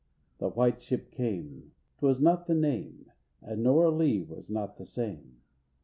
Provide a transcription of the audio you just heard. The white ship came 'twas not the name! And Nora Lee was not the same.